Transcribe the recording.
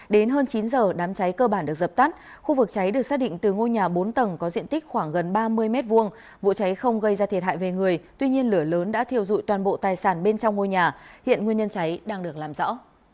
đến hơn chín giờ đám cháy cơ bản được dập tắt khu vực cháy được xác định từ ngôi nhà bốn tầng có diện tích khoảng gần ba mươi m hai vụ cháy không gây ra thiệt hại về người tuy nhiên lửa lớn đã thiêu dụi toàn bộ tài sản bên trong ngôi nhà hiện nguyên nhân cháy đang được làm rõ